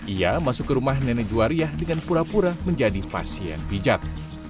ia masuk ke rumah nenek juwariah dengan pura pura menjadi pasien pijat